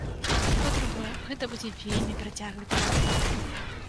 Па-другое, гэта будзе вельмі працяглы пераход.